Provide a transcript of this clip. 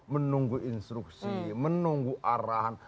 menunggu instruksi menunggu arahan